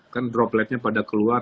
kan dropletnya pada keluar